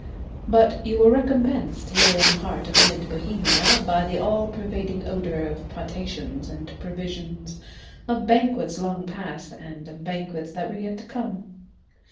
But you were recompensed, here in the heart of mid Bohemia, by the all pervading odour of potations and provisions, of banquets long past, and of banquets that were yet to come.